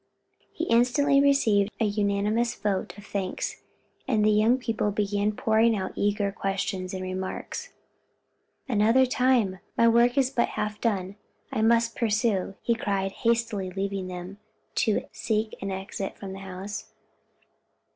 He instantly received a unanimous vote of thanks, and the young people began pouring out eager questions and remarks: "Another time; my work is but half done! I must pursue!" he cried, hastily leaving them to seek an exit from the house.